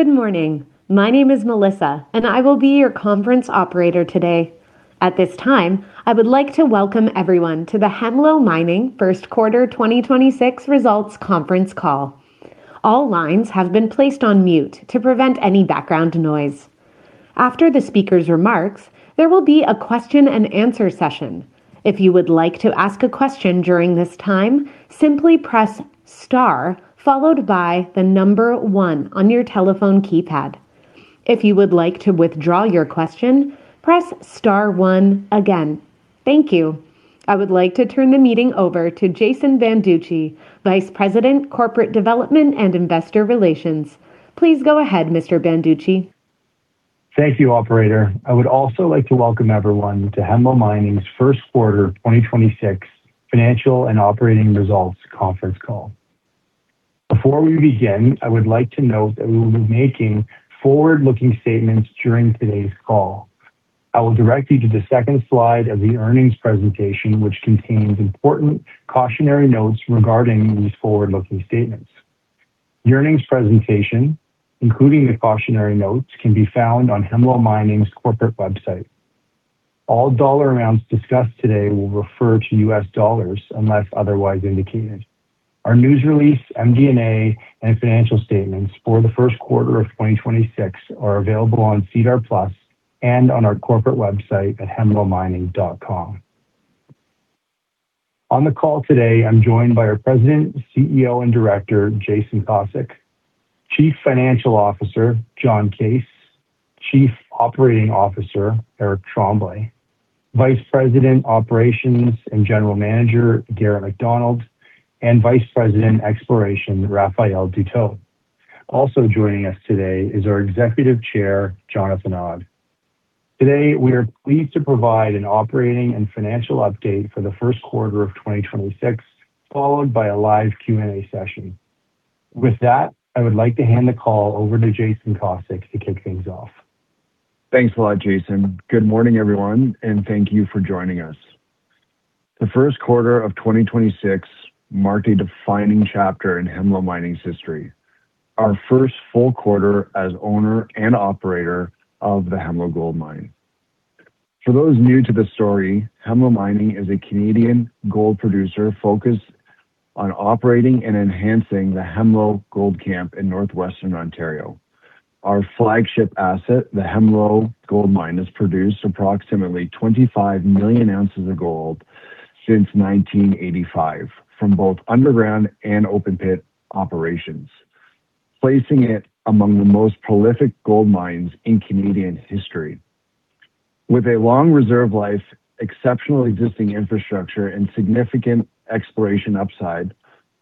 Good morning. My name is Melissa, and I will be your conference operator today. At this time, I would like to welcome everyone to the Hemlo Mining First Quarter 2026 Results Conference Call. All lines have been placed on mute to prevent any background noise. After the speaker's remarks, there will be a question and answer session. If you would like to ask a question during this time, simply press star followed by the number one on your telephone keypad. If you would like to withdraw your question, press star one again. Thank you. I would like to turn the meeting over to Jason Banducci, Vice President, Corporate Development and Investor Relations. Please go ahead, Mr. Banducci. Thank you, operator. I would also like to welcome everyone to Hemlo Mining's First Quarter 2026 Financial and Operating Results Conference Call. Before we begin, I would like to note that we will be making forward-looking statements during today's call. I will direct you to the second slide of the earnings presentation, which contains important cautionary notes regarding these forward-looking statements. The earnings presentation, including the cautionary notes, can be found on Hemlo Mining's corporate website. All dollar amounts discussed today will refer to US dollars unless otherwise indicated. Our news release, MD&A, and financial statements for the first quarter of 2026 are available on SEDAR+ and on our corporate website at hemlomining.com. On the call today, I'm joined by our President, CEO, and Director, Jason Kosec, Chief Financial Officer, Jon Case, Chief Operating Officer, Eric Tremblay, Vice President, Operations, and General Manager, Garett Macdonald, and Vice President, Exploration, Raphael Dutaut. Also joining us today is our Executive Chair, Jonathan Awde. Today, we are pleased to provide an operating and financial update for the 1st quarter of 2026, followed by a live Q&A session. With that, I would like to hand the call over to Jason Kosec to kick things off. Thanks a lot, Jason. Good morning, everyone, and thank you for joining us. The first quarter of 2026 marked a defining chapter in Hemlo Mining's history, our first full quarter as owner and operator of the Hemlo Gold Mine. For those new to the story, Hemlo Mining is a Canadian gold producer focused on operating and enhancing the Hemlo Gold Camp in northwestern Ontario. Our flagship asset, the Hemlo Gold Mine, has produced approximately 25 million ounces of gold since 1985 from both underground and open-pit operations, placing it among the most prolific gold mines in Canadian history. With a long reserve life, exceptional existing infrastructure, and significant exploration upside,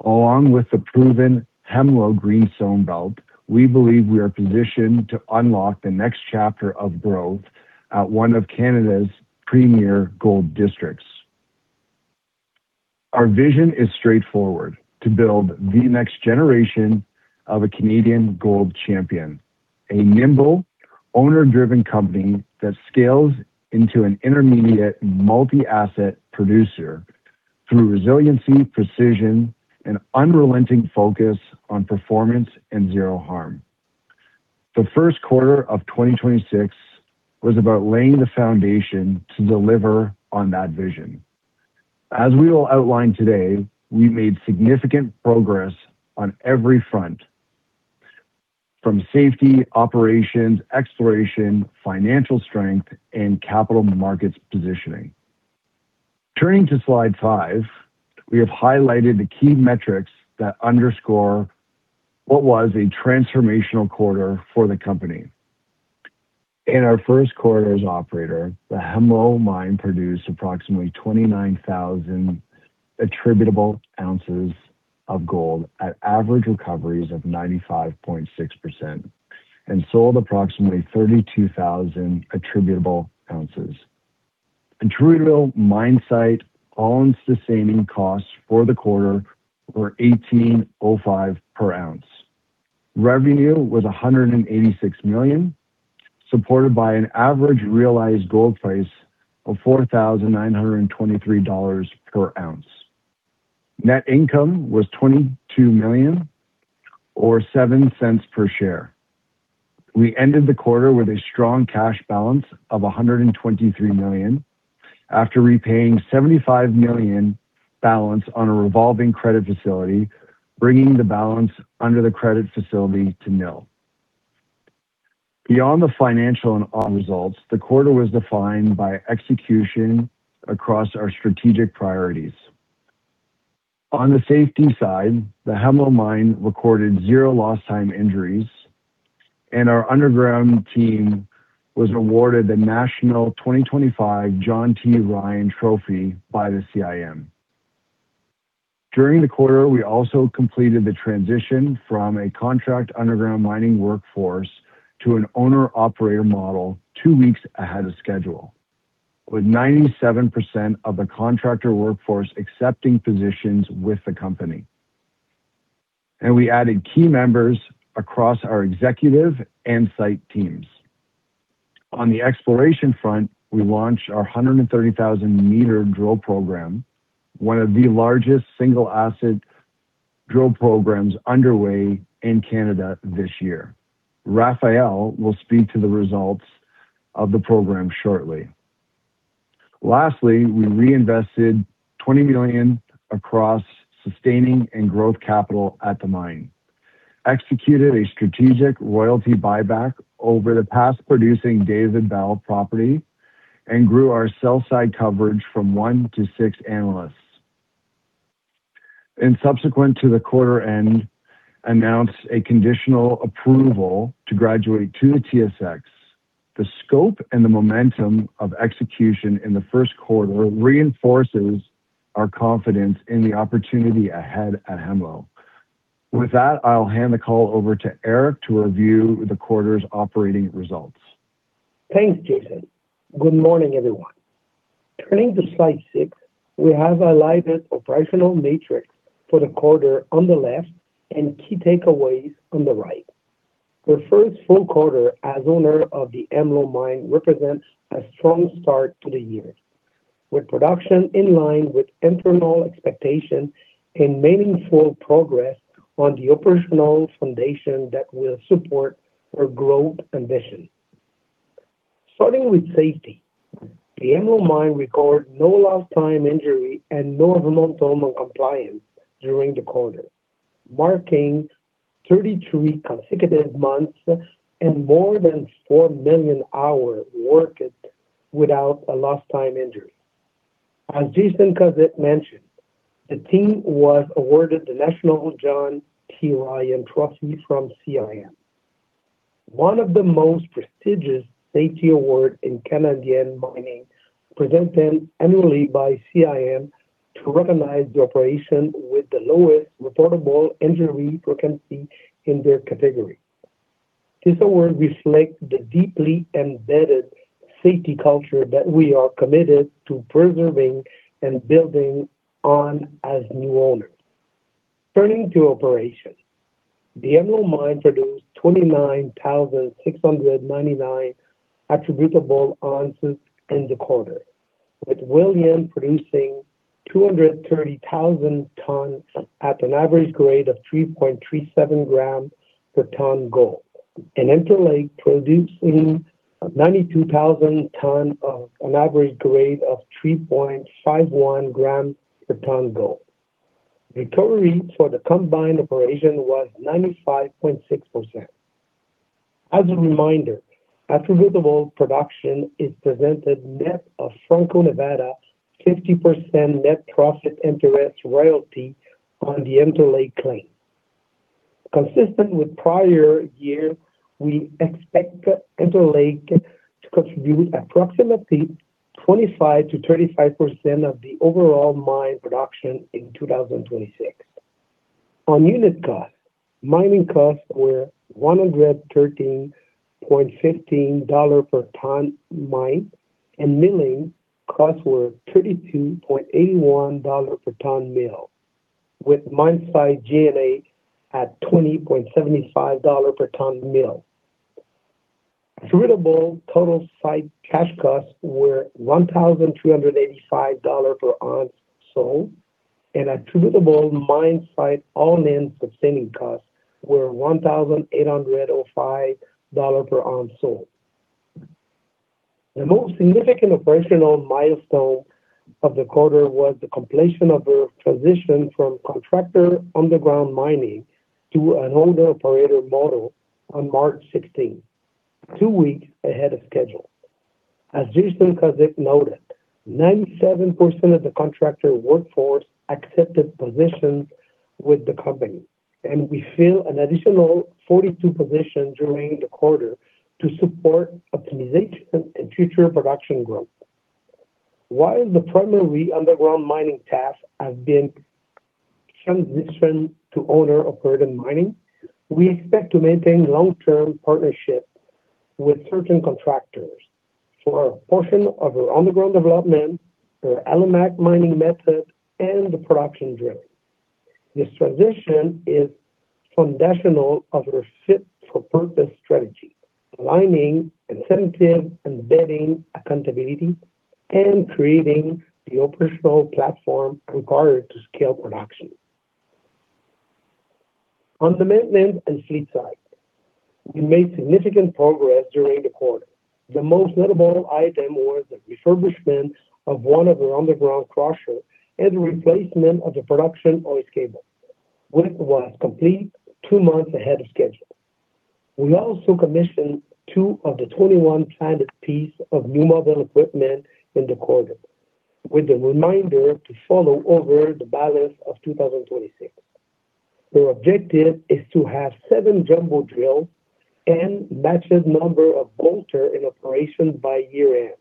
along with the proven Hemlo Greenstone Belt, we believe we are positioned to unlock the next chapter of growth at one of Canada's premier gold districts. Our vision is straightforward: to build the next generation of a Canadian gold champion, a nimble, owner-driven company that scales into an intermediate multi-asset producer through resiliency, precision, and unrelenting focus on performance and zero harm. The first quarter of 2026 was about laying the foundation to deliver on that vision. As we will outline today, we made significant progress on every front, from safety, operations, exploration, financial strength, and capital markets positioning. Turning to slide five, we have highlighted the key metrics that underscore what was a transformational quarter for the company. In our first quarter as operator, the Hemlo Mine produced approximately 29,000 attributable ounces of gold at average recoveries of 95.6% and sold approximately 32,000 attributable ounces. Attributable mine site all-in sustaining costs for the quarter were $1,805 per ounce. Revenue was $186 million, supported by an average realized gold price of $4,923 per ounce. Net income was $22 million, or $0.07 per share. We ended the quarter with a strong cash balance of $123 million after repaying $75 million balance on a revolving credit facility, bringing the balance under the credit facility to nil. Beyond the financial and op results, the quarter was defined by execution across our strategic priorities. On the safety side, the Hemlo Mine recorded zero lost time injuries, and our underground team was awarded the National 2025 John T. Ryan Trophy by the CIM. During the quarter, we also completed the transition from a contract underground mining workforce to an owner/operator model two weeks ahead of schedule, with 97% of the contractor workforce accepting positions with the company. We added key members across our executive and site teams. On the exploration front, we launched our 130,000-meter drill program, one of the largest single asset drill programs underway in Canada this year. Raphael will speak to the results of the program shortly. Lastly, we reinvested $20 million across sustaining and growth capital at the mine, executed a strategic royalty buyback over the past producing David Bell property, and grew our sell side coverage from 1 to 6 analysts. Subsequent to the quarter end, announced a conditional approval to graduate to the TSX. The scope and the momentum of execution in the first quarter reinforces our confidence in the opportunity ahead at Hemlo. With that, I'll hand the call over to Eric to review the quarter's operating results. Thanks, Jason. Good morning, everyone. Turning to slide six, we have our latest operational matrix for the quarter on the left and key takeaways on the right. Our first full quarter as owner of the Hemlo Mine represents a strong start to the year, with production in line with internal expectations and meaningful progress on the operational foundation that will support our growth ambition. Starting with safety, the Hemlo Mine recorded no lost time injury and no voluntary non-compliance during the quarter, marking 33 consecutive months and more than 4 million hours worked without a lost time injury. As Jason Kosec mentioned, the team was awarded the National John T. Ryan Trophy from CIM. One of the most prestigious safety awards in Canadian mining, presented annually by CIM to recognize the operation with the lowest reportable injury frequency in their category. This award reflects the deeply embedded safety culture that we are committed to preserving and building on as new owners. Turning to operations. The Hemlo Mine produced 29,699 attributable ounces in the quarter, with Williams producing 230,000 tons at an average grade of 3.37 gram per ton gold, and Interlake producing 92,000 tons of an average grade of 3.51 gram per ton gold. Recovery for the combined operation was 95.6%. As a reminder, attributable production is presented net of Franco-Nevada 50% net profit interest royalty on the Interlake claim. Consistent with prior year, we expect Interlake to contribute approximately 25%-35% of the overall mine production in 2026. On unit cost, mining costs were $113.15 per ton mined, and milling costs were $32.81 per ton milled, with mine site G&A at $20.75 per ton milled. Attributable total site cash costs were $1,285 per ounce sold, and attributable mine site all-in sustaining costs were $1,805 per ounce sold. The most significant operational milestone of the quarter was the completion of the transition from contractor underground mining to an owner operator model on March 16th, two weeks ahead of schedule. As Jason Kosec noted, 97% of the contractor workforce accepted positions with the company, and we filled an additional 42 positions during the quarter to support optimization and future production growth. While the primary underground mining tasks have been transitioned to owner operator mining, we expect to maintain long-term partnership with certain contractors for a portion of our underground development, our Alimak mining method, and production drilling. This transition is foundational of our fit for purpose strategy, aligning incentives, embedding accountability and creating the operational platform required to scale production. On the maintenance and fleet side, we made significant progress during the quarter. The most notable item was the refurbishment of one of our underground crusher and replacement of the production hoist cable, which was complete two months ahead of schedule. We also commissioned two of the 21 planned pieces of new model equipment in the quarter, with the remainder to follow over the balance of 2026. Our objective is to have seven jumbo drills and matching number of bolters in operation by year-end,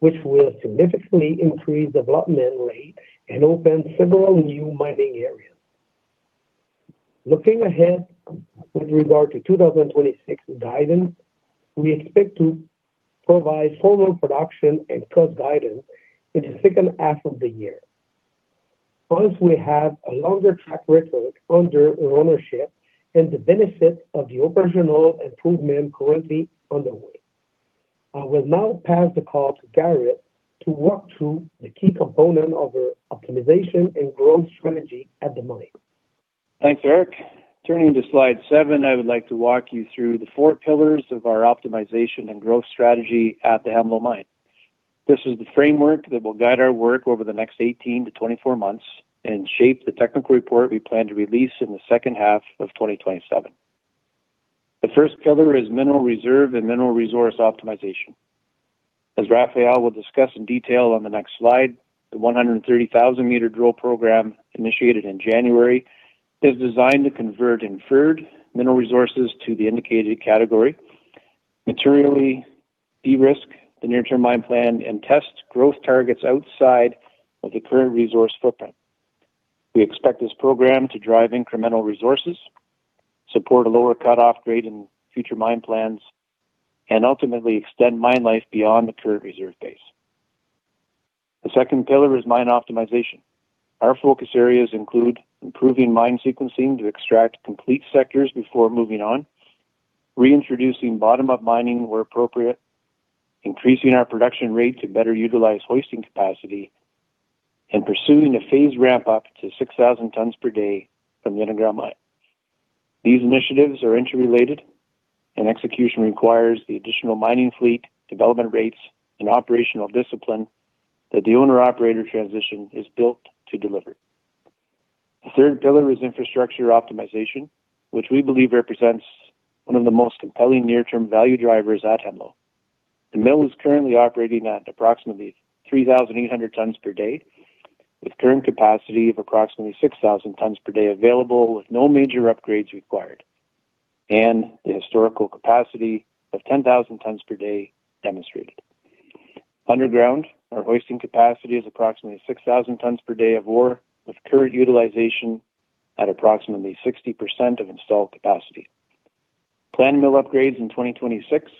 which will significantly increase development rate and open several new mining areas. Looking ahead with regard to 2026 guidance, we expect to provide formal production and cost guidance in the second half of the year. Once we have a longer track record under our ownership and the benefit of the operational improvement currently underway. I will now pass the call to Garett to walk through the key component of our optimization and growth strategy at the mine. Thanks, Eric. Turning to slide seven, I would like to walk you through the four pillars of our optimization and growth strategy at the Hemlo Mine. This is the framework that will guide our work over the next 18-24 months and shape the technical report we plan to release in the second half of 2027. The first pillar is mineral reserve and mineral resource optimization. As Raphael will discuss in detail on the next slide, the 130,000-meter drill program initiated in January is designed to convert inferred mineral resources to the indicated category, materially de-risk the near term mine plan, and test growth targets outside of the current resource footprint. We expect this program to drive incremental resources, support a lower cut-off grade in future mine plans, and ultimately extend mine life beyond the current reserve base. The second pillar is mine optimization. Our focus areas include improving mine sequencing to extract complete sectors before moving on, reintroducing bottom-up mining where appropriate, increasing our production rate to better utilize hoisting capacity, and pursuing a phased ramp-up to 6,000 tons per day from the underground mine. These initiatives are interrelated, and execution requires the additional mining fleet, development rates, and operational discipline that the owner/operator transition is built to deliver. The third pillar is infrastructure optimization, which we believe represents one of the most compelling near-term value drivers at Hemlo. The mill is currently operating at approximately 3,800 tons per day, with current capacity of approximately 6,000 tons per day available, with no major upgrades required, and the historical capacity of 10,000 tons per day demonstrated. Underground, our hoisting capacity is approximately 6,000 tons per day of ore, with current utilization at approximately 60% of installed capacity. Planned mill upgrades in 2026,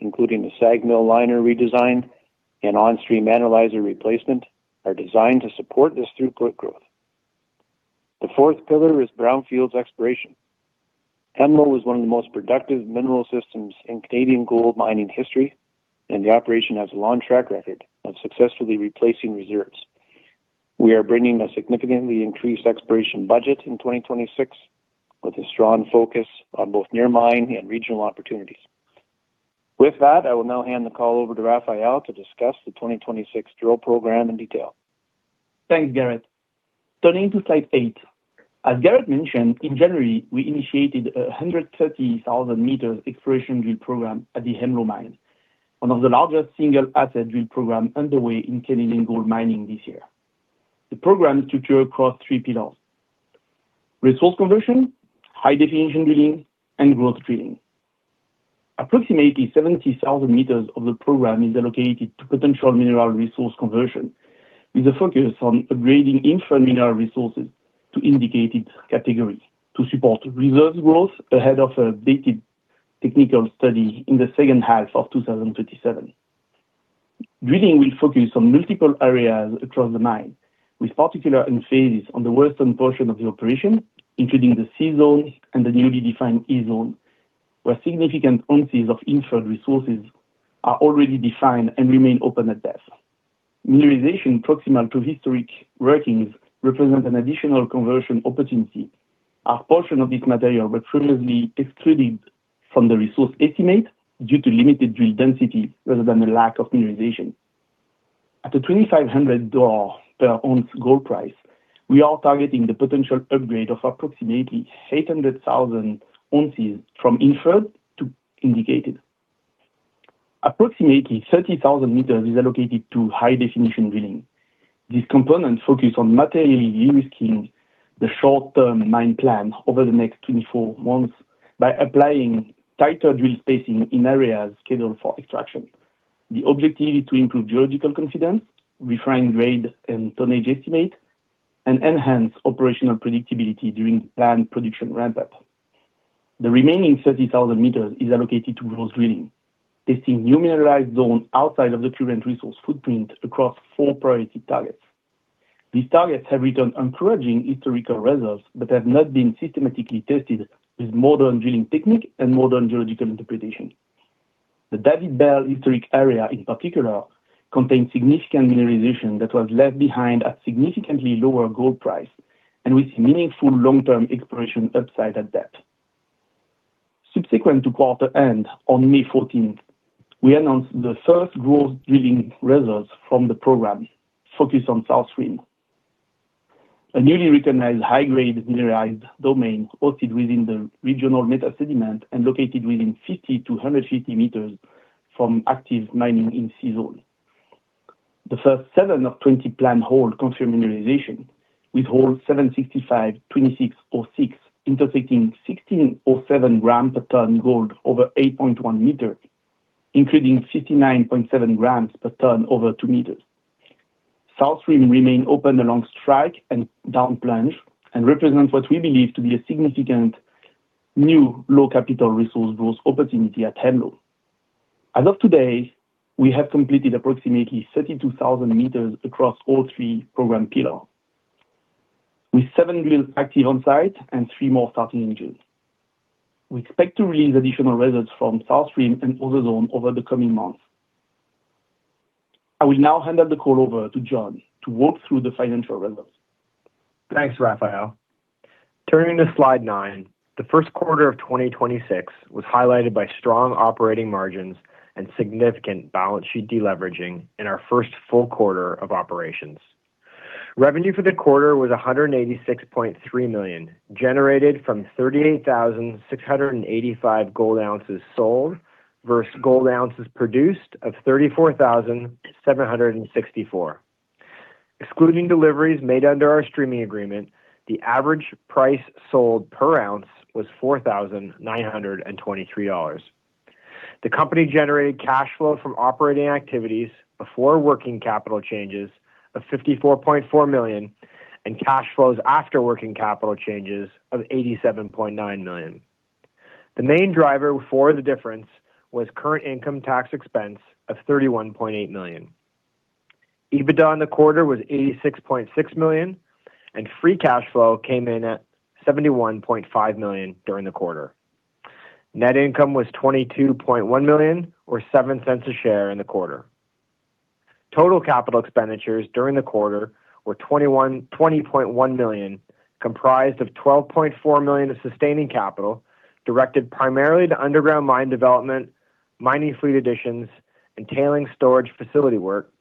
including the SAG mill liner redesign and on-stream analyzer replacement, are designed to support this throughput growth. The fourth pillar is brownfields exploration. Hemlo is one of the most productive mineral systems in Canadian gold mining history, and the operation has a long track record of successfully replacing reserves. We are bringing a significantly increased exploration budget in 2026, with a strong focus on both near mine and regional opportunities. With that, I will now hand the call over to Raphael to discuss the 2026 drill program in detail. Thanks, Garett. Turning to slide eight. As Garett mentioned, in January, we initiated a 130,000-meter exploration drill program at the Hemlo Mine, one of the largest single asset drill program underway in Canadian gold mining this year. The program is structured across three pillars: resource conversion, high definition drilling, and growth drilling. Approximately 70,000 meters of the program is allocated to potential mineral resource conversion, with a focus on upgrading inferred mineral resources to indicated categories to support reserve growth ahead of an updated technical study in the second half of 2027. Drilling will focus on multiple areas across the mine, with particular emphasis on the western portion of the operation, including the C Zone and the newly defined E Zone, where significant ounces of inferred resources are already defined and remain open at depth. Mineralization proximal to historic workings represent an additional conversion opportunity. A portion of this material was previously excluded from the resource estimate due to limited drill density rather than a lack of mineralization. At a $2,500 per ounce gold price, we are targeting the potential upgrade of approximately 800,000 ounces from inferred to indicated. Approximately 30,000 meters is allocated to high definition drilling. This component focus on materially de-risking the short-term mine plan over the next 24 months by applying tighter drill spacing in areas scheduled for extraction. The objective is to improve geological confidence, refine grade and tonnage estimate, and enhance operational predictability during planned production ramp-up. The remaining 30,000 meters is allocated to growth drilling, testing new mineralized zones outside of the current resource footprint across four priority targets. These targets have returned encouraging historical results but have not been systematically tested with modern drilling technique and modern geological interpretation. The David Bell historic area, in particular, contains significant mineralization that was left behind at significantly lower gold price and with meaningful long-term exploration upside at depth. Subsequent to quarter end, on May 14th, we announced the first growth drilling results from the program focused on South-Rim, a newly recognized high-grade mineralized domain hosted within the regional metasediment and located within 50-150 meters from active mining in C Zone. The first seven of 20 planned holes confirm mineralization, with hole 76526-06 intersecting 16.07 gram per ton gold over 8.1 meters, including 59.7 grams per ton over two meters. South-Rim remain open along strike and down plunge and represents what we believe to be a significant new low capital resource growth opportunity at Hemlo. As of today, we have completed approximately 32,000 meters across all three program pillar. With seven drills active on site and three more starting in June. We expect to release additional results from South-Rim Zone and other zone over the coming months. I will now hand off the call over to Jon Case to walk through the financial results. Thanks, Raphael. Turning to slide nine, the first quarter of 2026 was highlighted by strong operating margins and significant balance sheet de-leveraging in our first full quarter of operations. Revenue for the quarter was $186.3 million, generated from 38,685 gold ounces sold versus gold ounces produced of 34,764. Excluding deliveries made under our streaming agreement, the average price sold per ounce was $4,923. The company generated cash flow from operating activities before working capital changes of $54.4 million and cash flows after working capital changes of $87.9 million. The main driver for the difference was current income tax expense of $31.8 million. EBITDA in the quarter was $86.6 million, and free cash flow came in at $71.5 million during the quarter. Net income was $22.1 million or $0.07 a share in the quarter. Total capital expenditures during the quarter were $20.1 million, comprised of $12.4 million of sustaining capital, directed primarily to underground mine development, mining fleet additions, and tailing storage facility work,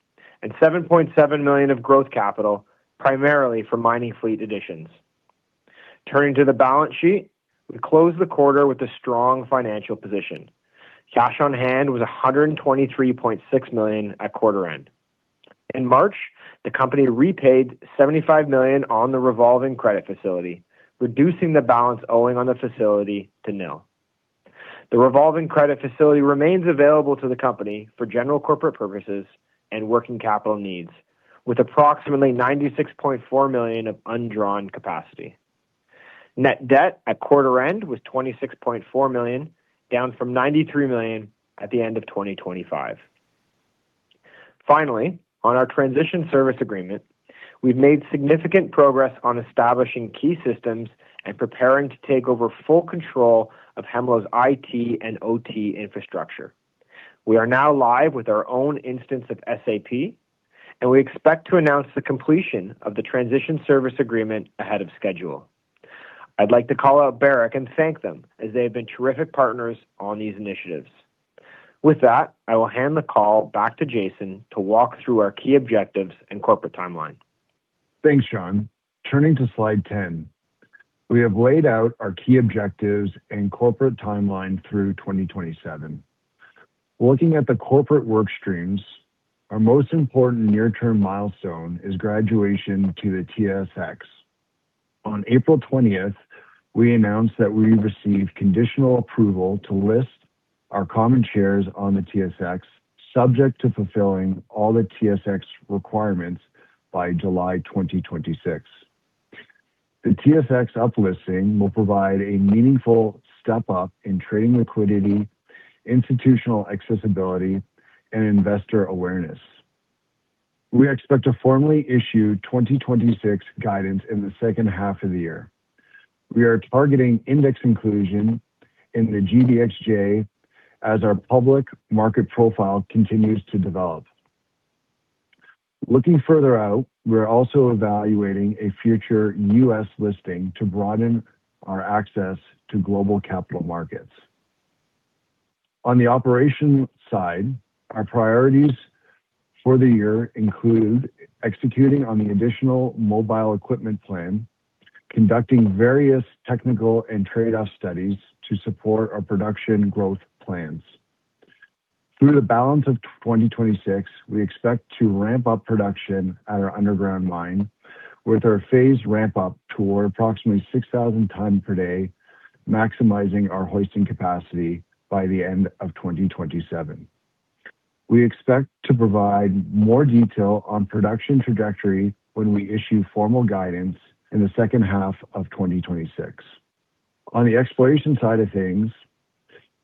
and $7.7 million of growth capital primarily for mining fleet additions. Turning to the balance sheet, we closed the quarter with a strong financial position. Cash on hand was $123.6 million at quarter end. In March, the company repaid $75 million on the revolving credit facility, reducing the balance owing on the facility to nil. The revolving credit facility remains available to the company for general corporate purposes and working capital needs, with approximately $96.4 million of undrawn capacity. Net debt at quarter end was $26.4 million, down from $93 million at the end of 2025. Finally, on our transition service agreement, we've made significant progress on establishing key systems and preparing to take over full control of Hemlo's IT and OT infrastructure. We are now live with our own instance of SAP, and we expect to announce the completion of the transition service agreement ahead of schedule. I'd like to call out Barrick and thank them as they have been terrific partners on these initiatives. With that, I will hand the call back to Jason to walk through our key objectives and corporate timeline. Thanks, Jon. Turning to slide 10. We have laid out our key objectives and corporate timeline through 2027. Looking at the corporate work streams, our most important near-term milestone is graduation to the TSX. On April 20th, we announced that we received conditional approval to list our common shares on the TSX subject to fulfilling all the TSX requirements by July 2026. The TSX up listing will provide a meaningful step-up in trading liquidity, institutional accessibility, and investor awareness. We expect to formally issue 2026 guidance in the second half of the year. We are targeting index inclusion in the GDXJ as our public market profile continues to develop. Looking further out, we're also evaluating a future U.S. listing to broaden our access to global capital markets. On the operation side, our priorities for the year include executing on the additional mobile equipment plan, conducting various technical and trade-off studies to support our production growth plans. Through the balance of 2026, we expect to ramp up production at our underground mine with our phased ramp up toward approximately 6,000 tons per day, maximizing our hoisting capacity by the end of 2027. We expect to provide more detail on production trajectory when we issue formal guidance in the second half of 2026. On the exploration side of things,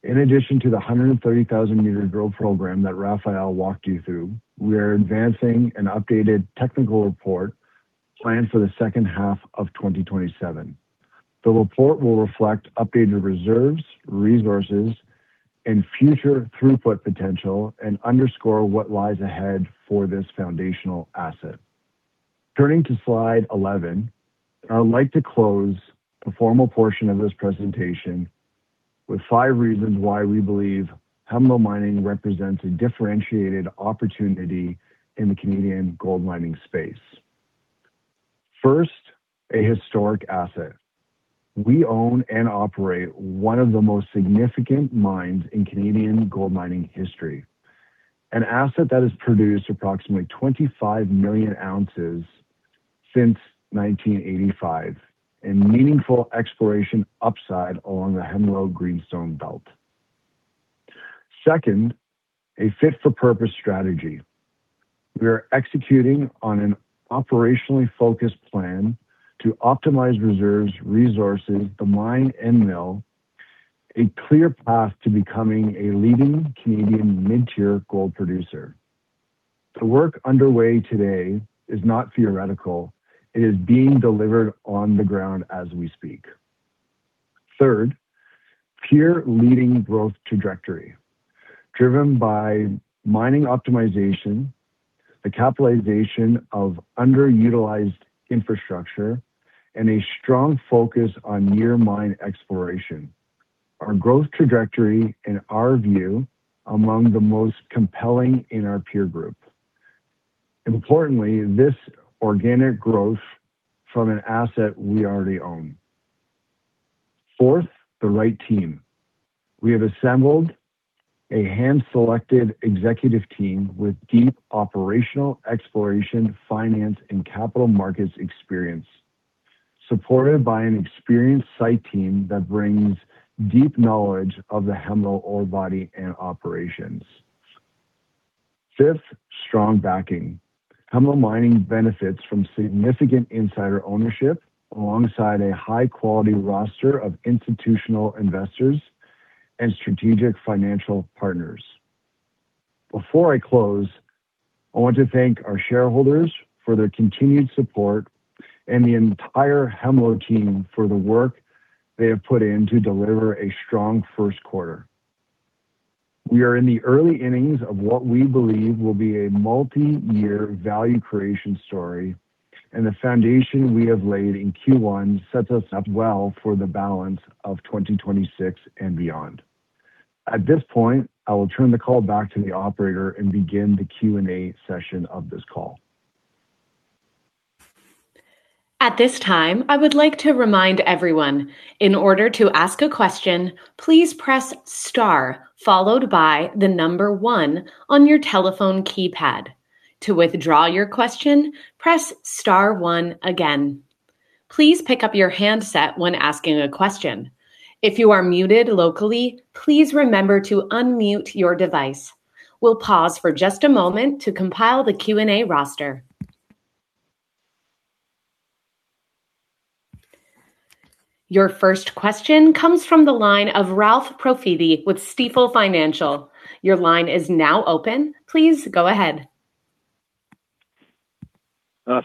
in addition to the 130,000-meter drill program that Raphael walked you through, we are advancing an updated technical report planned for the second half of 2027. The report will reflect updated reserves, resources, and future throughput potential, and underscore what lies ahead for this foundational asset. Turning to slide 11, I would like to close the formal portion of this presentation with five reasons why we believe Hemlo Mining represents a differentiated opportunity in the Canadian gold mining space. First, a historic asset. We own and operate one of the most significant mines in Canadian gold mining history. An asset that has produced approximately 25 million ounces since 1985, and meaningful exploration upside along the Hemlo Greenstone Belt. Second, a fit-for-purpose strategy. We are executing on an operationally focused plan to optimize reserves, resources, the mine and mill, a clear path to becoming a leading Canadian mid-tier gold producer. The work underway today is not theoretical. It is being delivered on the ground as we speak. Third, peer-leading growth trajectory driven by mining optimization, the capitalization of underutilized infrastructure, and a strong focus on near mine exploration. Our growth trajectory, in our view, among the most compelling in our peer group. Importantly, this organic growth from an asset we already own. Fourth, the right team. We have assembled a hand-selected executive team with deep operational exploration, finance, and capital markets experience, supported by an experienced site team that brings deep knowledge of the Hemlo ore body and operations. Fifth, strong backing. Hemlo Mining benefits from significant insider ownership alongside a high-quality roster of institutional investors and strategic financial partners. Before I close, I want to thank our shareholders for their continued support and the entire Hemlo team for the work they have put in to deliver a strong first quarter. We are in the early innings of what we believe will be a multi-year value creation story, and the foundation we have laid in Q1 sets us up well for the balance of 2026 and beyond. At this point, I will turn the call back to the operator and begin the Q&A session of this call At this time I will like to remind everyone in other to ask a question, please press star followed by the number one on your telephone keypad, to withdraw your question, press star one gain. Please pick up your handset when asking a question. If you are muted locally please remember to unmute your device. We pause for just a moment to compile the Q&A roster. Your first question comes from the line of Ralph Profiti with Stifel Financial. Your line is now open. Please go ahead.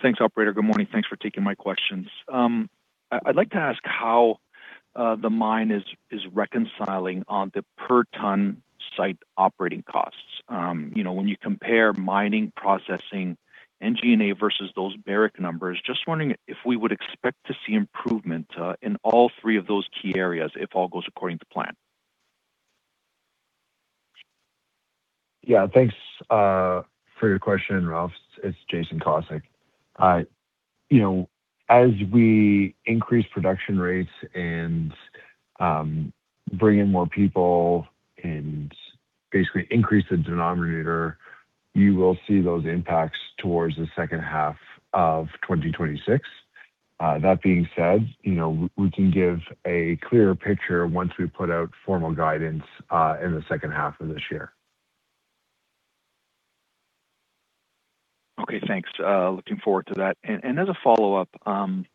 Thanks, operator. Good morning. Thanks for taking my questions. I'd like to ask how the mine is reconciling on the per-ton site operating costs. When you compare mining, processing, and G&A versus those Barrick numbers, just wondering if we would expect to see improvement in all three of those key areas if all goes according to plan? Yeah, thanks for your question, Ralph. It's Jason Kosec. As we increase production rates and bring in more people and basically increase the denominator, you will see those impacts towards the second half of 2026. That being said, we can give a clearer picture once we put out formal guidance in the second half of this year. Okay, thanks. Looking forward to that. As a follow-up, I'm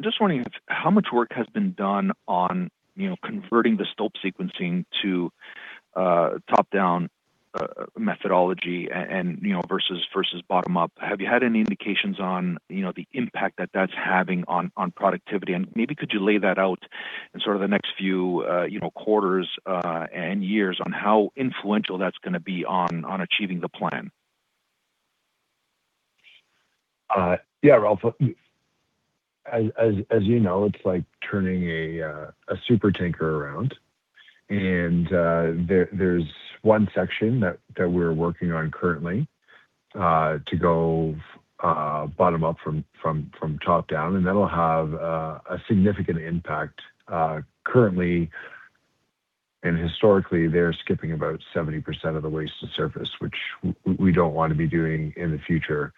just wondering how much work has been done on converting the stop sequencing to top-down methodology and versus bottom-up. Have you had any indications on the impact that that's having on productivity? Maybe could you lay that out in sort of the next few quarters and years on how influential that's going to be on achieving the plan? Ralph. As you know, it's like turning a supertanker around, and there's one section that we're working on currently to go bottom up from top down, and that'll have a significant impact. Currently, and historically, they're skipping about 70% of the waste to surface, which we don't want to be doing in the future.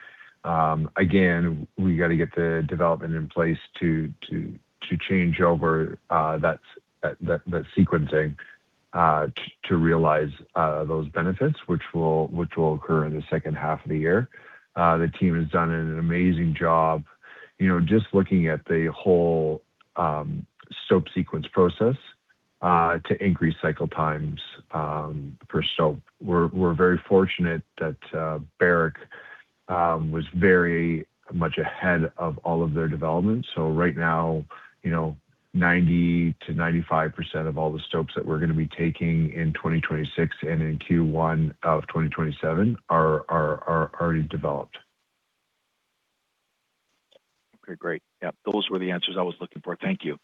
Again, we got to get the development in place to change over that sequencing to realize those benefits, which will occur in the second half of the year. The team has done an amazing job just looking at the whole stop sequence process to increase cycle times per stop. We're very fortunate that Barrick was very much ahead of all of their developments. Right now, 90%-95% of all the stops that we're going to be taking in 2026 and in Q1 of 2027 are already developed. Okay, great. Yeah, those were the answers I was looking for. Thank you.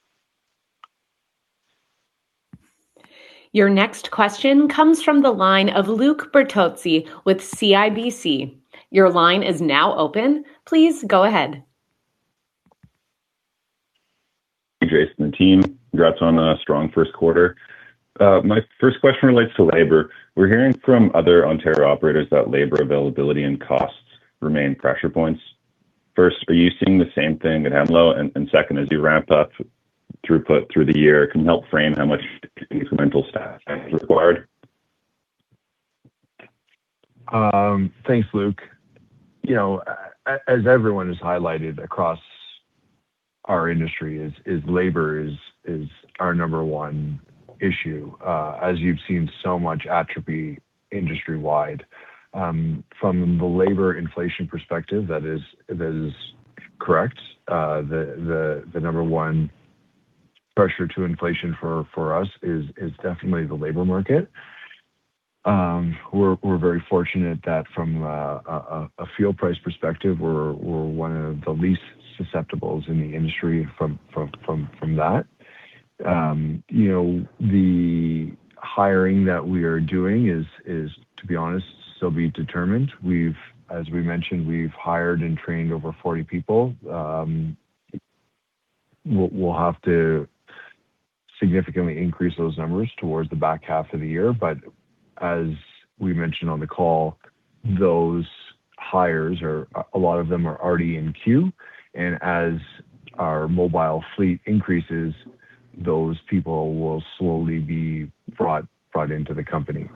Your next question comes from the line of Luke Bertozzi with CIBC. Your line is now open. Please go ahead. Hey, Jason and team. Congrats on a strong first quarter. My first question relates to labor. We're hearing from other Ontario operators that labor availability and costs remain pressure points. First, are you seeing the same thing at Hemlo? Second, as you ramp up throughput through the year, can you help frame how much incremental staff is required? Thanks, Luke. As everyone has highlighted across our industry is labor is our number 1 issue, as you've seen so much atrophy industry-wide. From the labor inflation perspective, that is correct. The number 1 pressure to inflation for us is definitely the labor market. We're very fortunate that from a fuel price perspective, we're one of the least susceptibles in the industry from that. The hiring that we are doing is, to be honest, still be determined. As we mentioned, we've hired and trained over 40 people. We'll have to significantly increase those numbers towards the back half of the year. As we mentioned on the call, those hires, a lot of them are already in queue. As our mobile fleet increases, those people will slowly be brought into the company.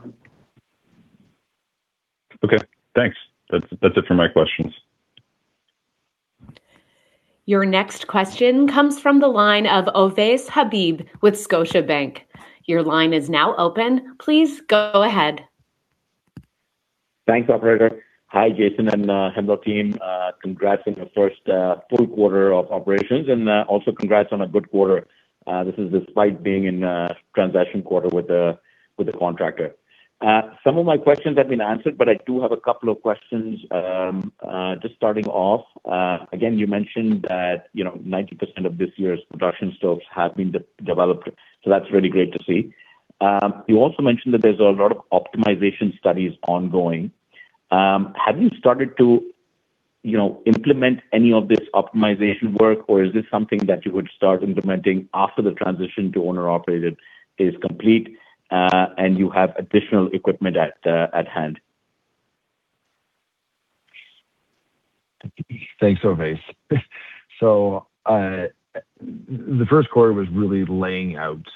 Okay, thanks. That's it for my questions. Your next question comes from the line of Ovais Habib with Scotiabank. Your line is now open. Please go ahead. Thanks, operator. Hi, Jason and Hemlo team. Congrats on your first full quarter of operations, and also congrats on a good quarter. This is despite being in a transition quarter with the contractor. Some of my questions have been answered, but I do have a couple of questions. Just starting off, again, you mentioned that 90% of this year's production stopes have been developed, so that's really great to see. You also mentioned that there's a lot of optimization studies ongoing. Have you started to implement any of this optimization work, or is this something that you would start implementing after the transition to owner operated is complete and you have additional equipment at hand? Thanks, Ovais. The first quarter was really laying out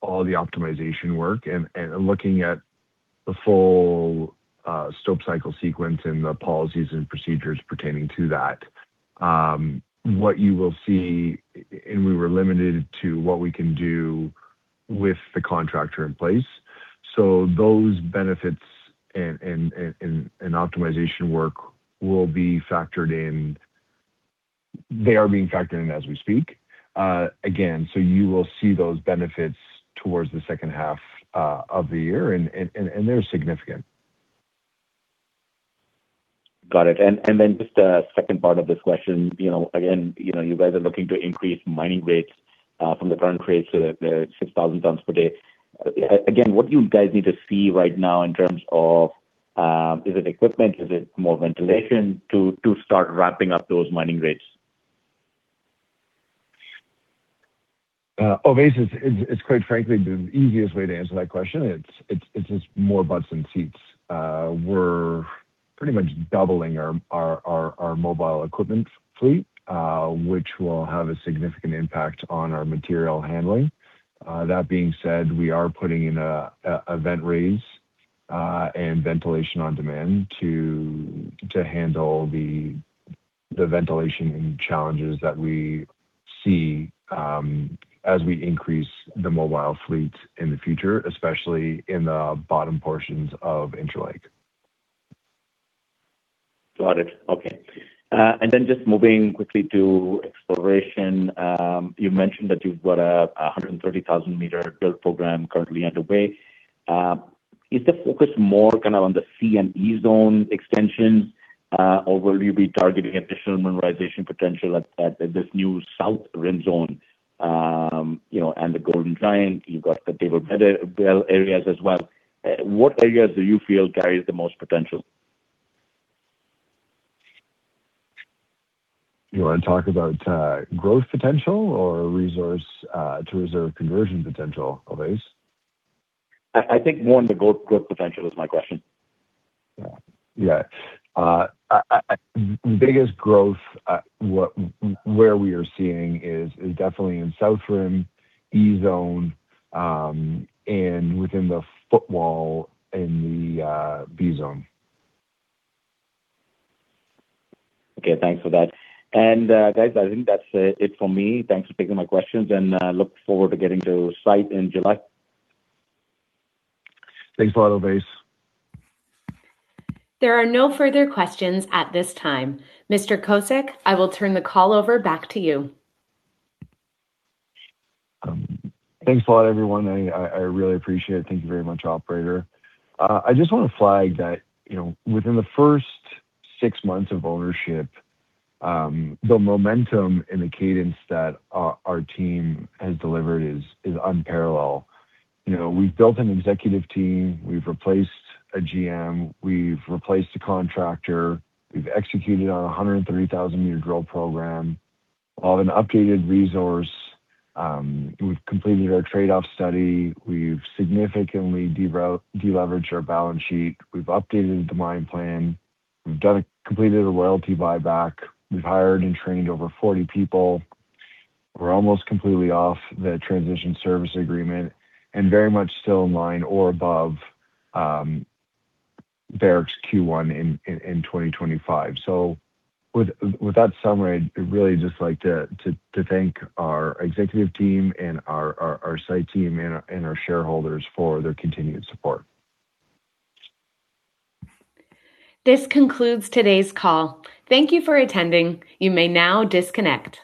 all the optimization work and looking at the full stope cycle sequence and the policies and procedures pertaining to that. What you will see, and we were limited to what we can do with the contractor in place. Those benefits and optimization work will be factored in. They are being factored in as we speak. Again, you will see those benefits towards the second half of the year, and they're significant. Got it. Just a second part of this question. Again, you guys are looking to increase mining rates from the current rates to the 6,000 tons per day. Again, what do you guys need to see right now in terms of, is it equipment, is it more ventilation to start ramping up those mining rates? Ovais, it's quite frankly, the easiest way to answer that question. It's just more butts in seats. We're pretty much doubling our mobile equipment fleet, which will have a significant impact on our material handling. That being said, we are putting in a vent raise and ventilation on demand to handle the ventilation and challenges that we see as we increase the mobile fleet in the future, especially in the bottom portions of Interlake. Got it. Okay. Just moving quickly to exploration. You mentioned that you've got a 130,000 meter drill program currently underway. Is the focus more on the C and E zone extensions, or will you be targeting additional mineralization potential at this new South-Rim Zone? The Golden Giant, you've got the David Bell areas as well. What areas do you feel carries the most potential? You want to talk about growth potential or resource to reserve conversion potential, Ovais? I think more on the growth potential is my question. Yeah. Biggest growth where we are seeing is definitely in South Rim, E Zone, and within the footwall in the B Zone. Okay, thanks for that. Guys, I think that's it for me. Thanks for taking my questions, and look forward to getting to site in July. Thanks a lot, Ovais. There are no further questions at this time. Mr. Kosec, I will turn the call over back to you. Thanks a lot, everyone. I really appreciate it. Thank you very much, operator. I just want to flag that within the first six months of ownership, the momentum and the cadence that our team has delivered is unparalleled. We've built an executive team, we've replaced a GM, we've replaced a contractor, we've executed on 130,000-meter drill program on an updated resource. We've completed our trade-off study. We've significantly de-leveraged our balance sheet. We've updated the mine plan. We've completed a royalty buyback. We've hired and trained over 40 people. We're almost completely off the transition service agreement and very much still in line or above Barrick's Q1 in 2025. With that summary, I'd really just like to thank our executive team and our site team and our shareholders for their continued support. This concludes today's call. Thank you for attending. You may now disconnect.